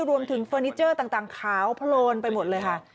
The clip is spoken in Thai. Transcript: เฟอร์นิเจอร์ต่างขาวโพลนไปหมดเลยค่ะ